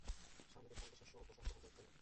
স্বামীজীর সঙ্গে শিষ্যও প্রসাদ গ্রহণ করিতে চলিল।